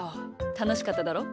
たのしかっただろ？